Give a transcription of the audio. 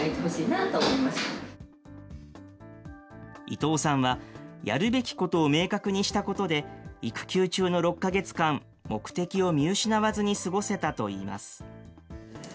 伊藤さんは、やるべきことを明確にしたことで、育休中の６か月間、目的を見失わずに過ごせたといいます。